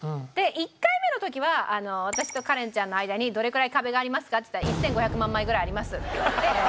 １回目の時は「私とカレンちゃんの間にどれぐらい壁がありますか？」って言ったら「１５００万枚ぐらいあります」って言われて。